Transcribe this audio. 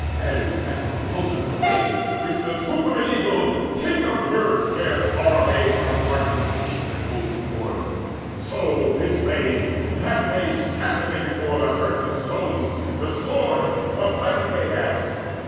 As rascal vultures were they, which the swoop Of an eagle, king of birds, scares far away From carcasses of sheep that wolves have torn; So this way, that way scattered they before The hurtling stones, the sword, the might of Aias.